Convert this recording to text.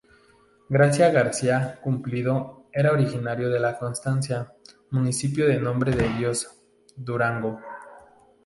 Gracia García-Cumplido era originario de La Constancia, municipio de Nombre de Dios, Durango.